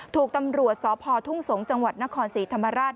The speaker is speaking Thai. ถูกตำรวจสพทุ่งสงศ์จังหวัดนครศรีธรรมราช